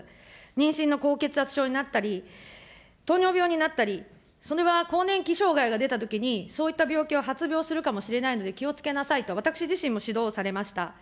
妊娠の高血圧症になったり、糖尿病になったり、それは更年期障害が出たときに、そういった病気を発病するかもしれないので気をつけなさいと、私自身も指導されました。